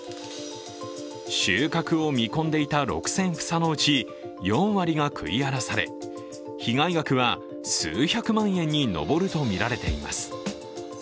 収穫を見込んでいた６０００房のうち、４割が食い荒らされ、被害額は数百万円に上るとみられています。